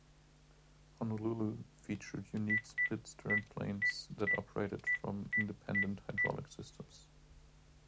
"Honolulu" featured unique split stern planes that operated from independent hydraulic systems.